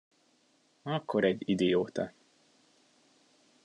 Akkor egy idióta.